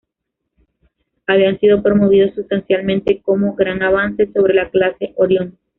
Habían sido promovidos sustancialmente como gran avance sobre la clase "Orion".